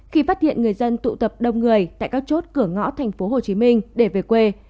khi phát hiện người dân tụ tập đông người tại các chốt cửa ngõ thành phố hồ chí minh để về quê